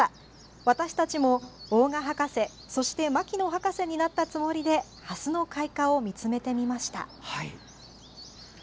私たちも大賀博士そして牧野博士になったつもりでハスの開花を見つめてみました。